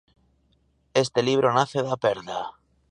Este libro nace da perda.